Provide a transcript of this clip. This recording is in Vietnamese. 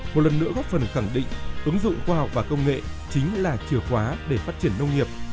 một lần nữa góp phần khẳng định ứng dụng khoa học và công nghệ chính là chìa khóa để phát triển nông nghiệp